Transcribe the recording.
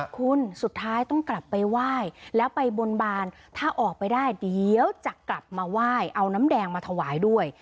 คุณสุดท้ายต้องกลับไปไหว้แล้วไปบนบานถ้าออกไปได้เดี๋ยวจะกลับมาไหว้เอาน้ำแดงมาถวายด้วย